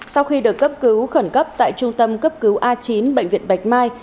sau khi được cấp cứu khẩn cấp tại trung tâm cấp cứu a chín bệnh viện bạch mai